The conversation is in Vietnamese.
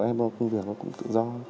việc cũng tự do